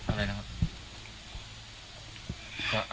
อะไรนะครับ